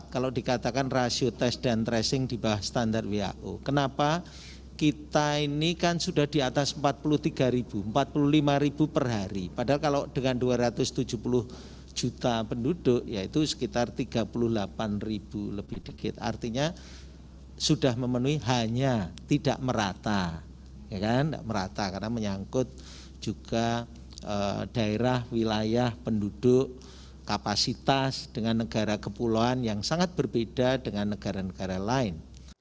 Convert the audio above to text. karena tidak merata karena menyangkut juga daerah wilayah penduduk kapasitas dengan negara kepulauan yang sangat berbeda dengan negara negara lain